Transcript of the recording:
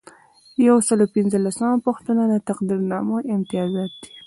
یو سل او پنځلسمه پوښتنه د تقدیرنامو امتیازات دي.